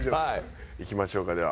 いきましょうかでは。